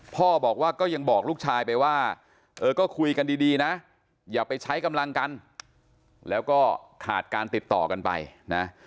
พ่อบอกว่าก็ยังบอกลูกชายไปว่าเออก็คุยกันดีนะอย่าไปใช้กำลังกันแล้วก็ขาดการติดต่อกันไปนะ